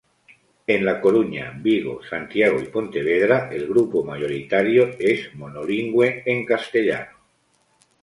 En La Coruña, Vigo, Santiago y Pontevedra el grupo mayoritario es monolingüe en castellano.